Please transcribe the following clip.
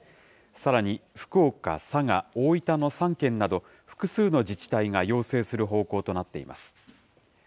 さらに、福岡、佐賀、大分の３県など、複数の自治体が要請する方向となっています。